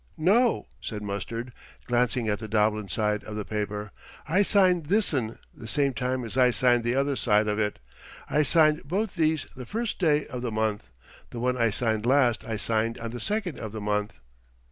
"No," said Mustard, glancing at the Doblin side of the paper. "I signed this'n the same time as I signed the other side of it. I signed both these the first day of the month. The one I signed last I signed on the second of the month."